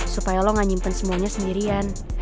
supaya lo gak nyimpen semuanya sendirian